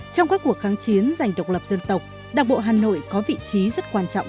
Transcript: trong các cuộc kháng chiến dành độc lập dân tộc đảng bộ hà nội có vị trí rất quan trọng